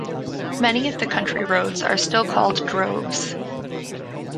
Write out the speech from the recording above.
Many of the country roads are still called droves.